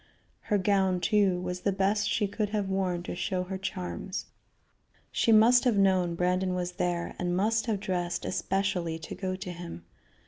Her gown, too, was the best she could have worn to show her charms. She must have known Brandon was there, and must have dressed especially to go to him.